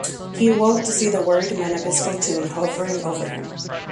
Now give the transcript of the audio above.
He awoke to see the worried men of his platoon hovering over him.